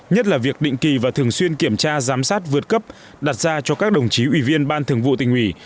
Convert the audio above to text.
nhất là việc định kỳ và thường xuyên kiểm tra giám sát vượt cấp đặt ra cho các đồng chí ủy viên ban thường vụ tỉnh ủy